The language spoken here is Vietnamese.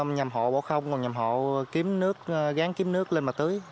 nhằm hộ bỏ không còn nhằm hộ kiếm nước gán kiếm nước lên mặt tưới